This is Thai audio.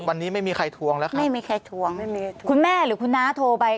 วันนี้ไม่มีใครทวงแล้วค่ะไม่มีใครทวงไม่มีคุณแม่หรือคุณน้าโทรไป